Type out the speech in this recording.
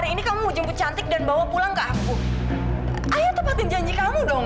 ini kamu tuh jangan gila nek